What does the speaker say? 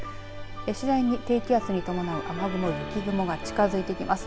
次第に低気圧に伴う雨雲、雪雲が近づいてきます。